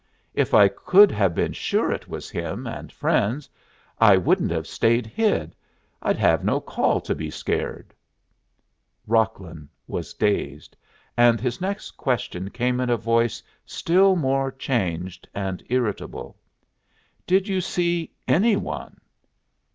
If I could have been sure it was him and friends, I wouldn't have stayed hid. I'd have had no call to be scared." Rocklin was dazed, and his next question came in a voice still more changed and irritable. "Did you see any one?"